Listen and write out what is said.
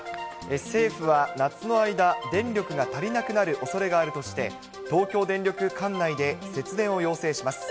政府は夏の間、電力が足りなくなるおそれがあるとして、東京電力管内で節電を要請します。